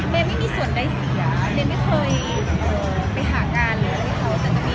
แม่ไม่มีส่วนใดเสียแม่ไม่เคยไปหาการหรืออะไรอย่างเงี้ย